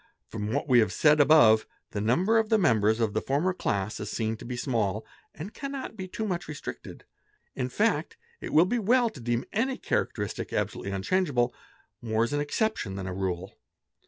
From what we have said above, the number of the members of the former class is seen to be small and cannot be too much restricted ; in fact it will be well to deem — any characteristic absolutely unchangeable, more as an exception than a rule.